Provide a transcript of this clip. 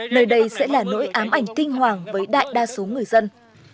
nơi đây sẽ là nỗi ám ảnh kinh hoàng với đại đa số người dân